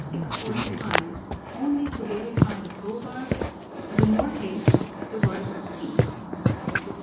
45, only to verify the proverb, "The more haste the worse speed."